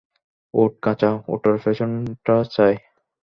ওটা কাঁচা, ওটার পেছনেরটা চাই।